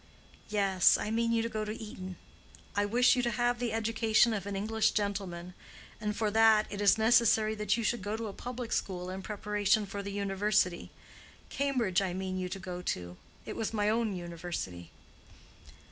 "Yes, I mean you to go to Eton. I wish you to have the education of an English gentleman; and for that it is necessary that you should go to a public school in preparation for the university: Cambridge I mean you to go to; it was my own university."